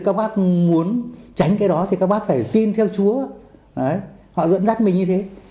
các bác muốn tránh cái đó thì các bác phải tin theo chúa họ dẫn dắt mình như thế